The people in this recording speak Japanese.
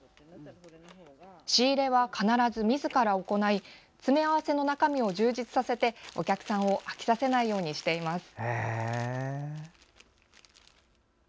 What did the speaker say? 仕入れは必ず、みずから行い詰め合わせの中身を充実させてお客さんを飽きさせないようにしています。